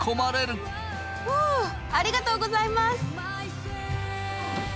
フウありがとうございます！